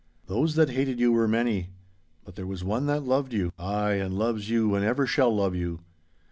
Those that hated you were many. But there was one that loved you—ay, and loves you, and ever shall love you!